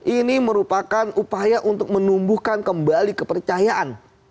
ini merupakan upaya untuk menumbuhkan kembali kepercayaan